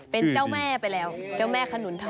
เป็นเจ้าแม่ไปแล้วเจ้าแม่ขนุนทอง